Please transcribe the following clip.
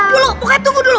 dulu tunggu dulu